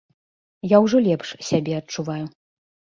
Я ўжо лепш сябе адчуваю.